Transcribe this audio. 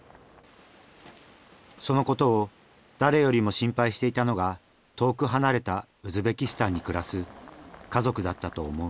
そのことを誰よりも心配していたのが遠く離れたウズベキスタンに暮らす家族だったと思う。